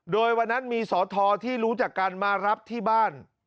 โดยวันนั้นมีสอทอที่รู้จักกันมารับที่บ้าน